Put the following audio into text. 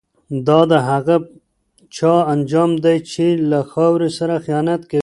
دا د هغه چا انجام دی چي له خاوري سره خیانت کوي.